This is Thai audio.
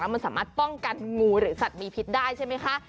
มันสามารถป้องกันงูหรือสัตว์มีพิษได้ใช่ไหมคะ